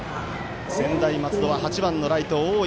専大松戸は、８番のライト、大井。